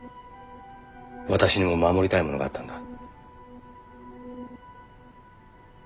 私にも守りたいものがあったんだ。